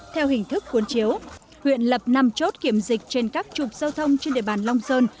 theo hình thức cuốn chiếu huyện lập năm chốt kiểm dịch trên các trục giao thông trên địa bàn long sơn